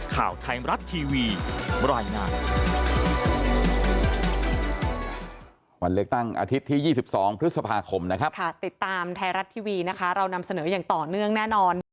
ข่าวไทยรัตทีวีบรรยายงาน